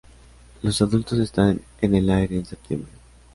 Los adultos están en el aire en septiembre.